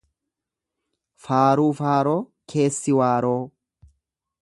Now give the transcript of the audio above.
Faaruu faaroo keessi waaroo.